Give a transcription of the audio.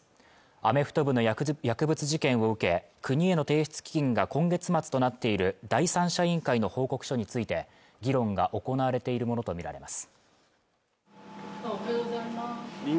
アメフト部の薬物事件を受け国への提出期限が今月末となっている第三者委員会の報告書について議論が行われているものと見られます